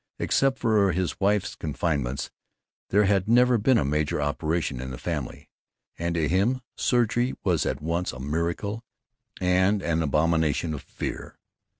Except for his wife's confinements there had never been a major operation in the family, and to him surgery was at once a miracle and an abomination of fear.